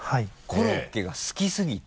コロッケが好きすぎて？